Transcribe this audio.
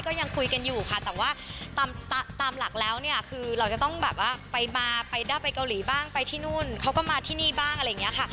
ก็ยังคุยกันอยู่ค่ะแต่ว่าตามหลักแล้วเนี่ยคือเราจะต้องแบบว่าไปมาไปได้ไปเกาหลีบ้างไปที่นู่นเขาก็มาที่นี่บ้างอะไรอย่างนี้ค่ะ